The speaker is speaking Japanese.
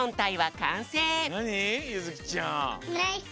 ゆづきちゃん。